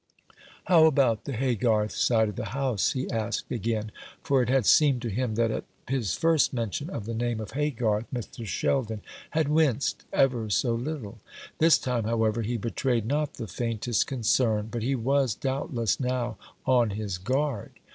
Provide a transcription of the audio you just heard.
"How about the Haygarth side of the house?" he asked again; for it had seemed to him that at his first mention of the name of Haygarth Mr. Sheldon had winced, ever so little. This time, however, he betrayed not the faintest concern; but he was doubtless now on his guard.